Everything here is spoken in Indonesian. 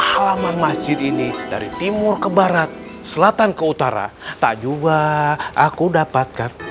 halaman masjid ini dari timur ke barat selatan ke utara tak juga aku dapatkan